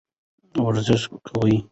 ورزش کوئ.